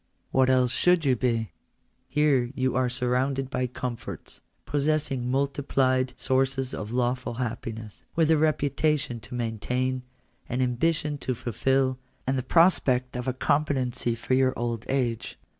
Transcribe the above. What else should you be? Here are you surrounded by comforts, possessing multiplied sources of lawful happiness, with a reputation to maintain, an ambition to fulfil, and the prospect of a compe tency for your old age.